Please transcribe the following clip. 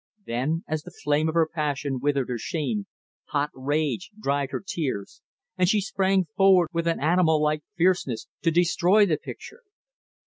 Then, as the flame of her passion withered her shame, hot rage dried her tears, and she sprang forward with an animal like fierceness, to destroy the picture.